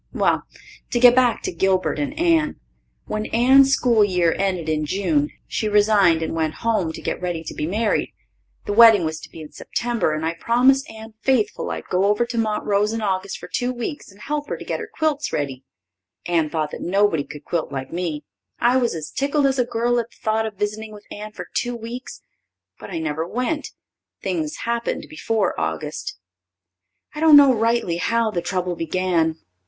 Well, to get back to Gilbert and Anne. When Anne's school year ended in June she resigned and went home to get ready to be married. The wedding was to be in September, and I promised Anne faithful I'd go over to Montrose in August for two weeks and help her to get her quilts ready. Anne thought that nobody could quilt like me. I was as tickled as a girl at the thought of visiting with Anne for two weeks, but I never went; things happened before August. I don't know rightly how the trouble began.